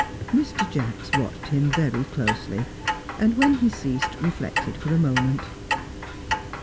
Mr. Jacks watched him very closely, and, when he ceased, reflected for a moment.